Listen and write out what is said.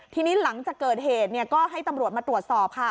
ทีนี้หลังจากเกิดเหตุก็ให้ตำรวจมาตรวจสอบค่ะ